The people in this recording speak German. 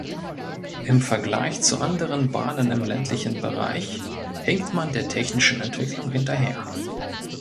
Im Vergleich zu anderen Bahnen im ländlichen Bereich hinkt man der technischen Entwicklung hinterher.